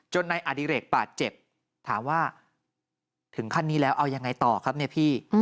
นายอดิเรกบาดเจ็บถามว่าถึงขั้นนี้แล้วเอายังไงต่อครับเนี่ยพี่